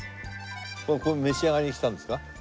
ここ召し上がりに来たんですか？